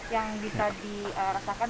yang bisa dirasakan